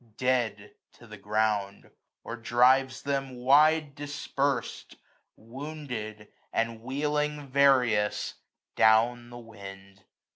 Dead to the ground ; or drives them wide dispers'd. Wounded, and wheeling various, down the wind.